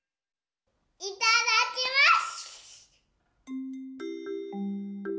いただきます！